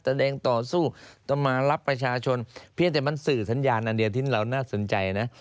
แสดงต่อสู้จะมารับประชาชนเพียงแต่มันสื่อสัญญาณอันเดียวที่เราน่าสนใจนะ